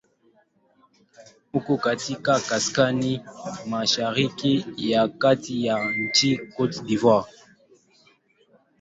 Uko katika kaskazini-mashariki ya kati ya nchi Cote d'Ivoire.